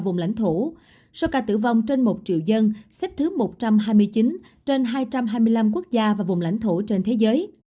vùng lãnh thổ số ca tử vong trên một triệu dân xếp thứ một trăm hai mươi chín trên hai trăm hai mươi năm quốc gia và vùng lãnh thổ trên thế giới